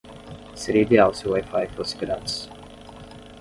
Seria ideal se o WiFi fosse grátis.